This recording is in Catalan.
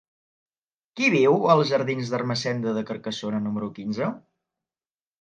Qui viu als jardins d'Ermessenda de Carcassona número quinze?